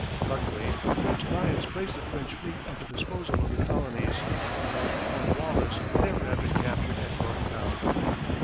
Luckily the French alliance placed the French fleet at the disposal of the colonies or Cornwallis would never have been captured at Yorktown.